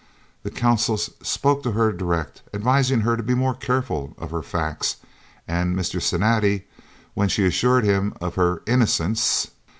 The Consuls spoke to her direct, advising her to be more careful of her facts, and Mr. Cinatti, when she assured him of her innocence